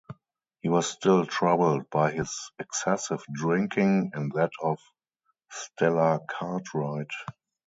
He was still troubled by his excessive drinking, and that of Stella Cartwright.